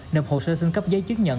nộp hồ sơ xin cấp giấy chức nhận